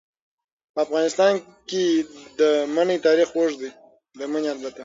په افغانستان کې د منی تاریخ اوږد دی.